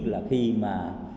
là khi mà